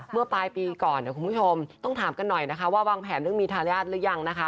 เมื่อปลายปีก่อนคุณผู้ชมต้องถามกันหน่อยว่าวางแผนเรื่องมีทาราชรึยัง